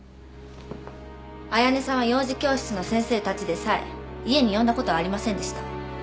綾音さんは幼児教室の先生たちでさえ家に呼んだことはありませんでした。